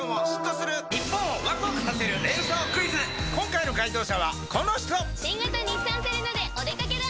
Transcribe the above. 今回の解答者はこの人新型日産セレナでお出掛けだ！